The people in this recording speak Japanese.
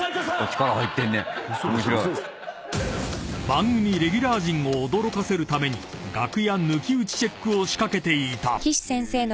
［番組レギュラー陣を驚かせるために楽屋抜き打ちチェックを仕掛けていた］